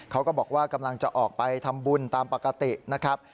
เขาก็บอกว่ากำลังจะออกไปทำบุญตามปกตินะครับ